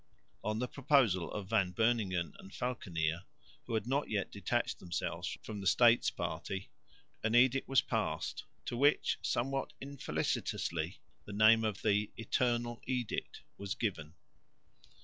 On the proposal of Van Beuningen and Valckenier, who had not yet detached themselves from the States party, an edict was passed to which, somewhat infelicitously, the name of the "Eternal Edict" was given.